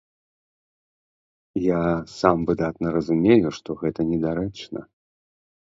Я сам выдатна разумею, што гэта недарэчна.